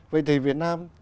vậy thì việt nam